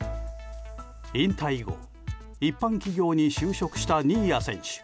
引退後一般企業に就職した新谷選手。